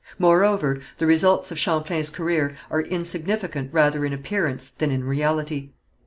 Moreover, the results of Champlain's career are insignificant rather in appearance than in reality.